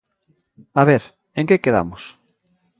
A ver, ¿en que quedamos?